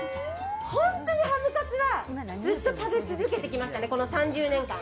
本当にハムカツはずっと食べ続けてきましたね。